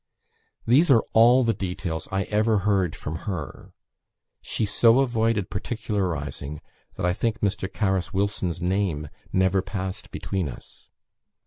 These are all the details I ever heard from her. She so avoided particularizing, that I think Mr. Carus Wilson's name never passed between us.